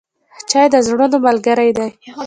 چای د زړونو ملګری دی.